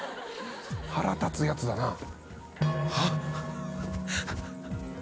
腹立つやつだなぁ。